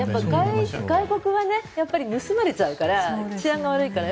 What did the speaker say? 外国は盗まれちゃうから治安が悪いから。